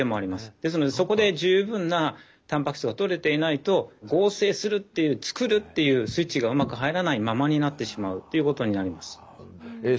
ですのでそこで十分なたんぱく質がとれていないと合成するっていう作るっていうスイッチがうまく入らないままになってしまうっていうことになります。